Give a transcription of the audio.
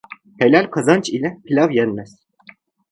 Helal kazanç ile pilav yenmez.